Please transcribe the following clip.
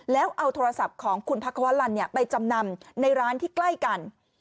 แล้วเอาโทรศัพท์ของคุณพักควรลันไปจำนำในร้านที่ใกล้กัน